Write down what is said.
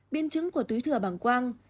biên chứng của túi thừa bằng quang